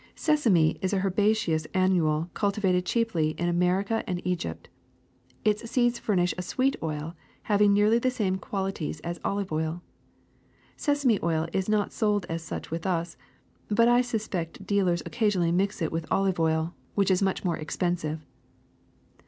^* Sesame is an herbaceous annual cultivated chiefl}^ in America and Egypt. Its seeds furnish a sweet oil having nearly the same qualities as olive oil. Se same oil is not sold as such with us, but I suspect deal ers occasionally mix it with olive oil, which is much more expensive.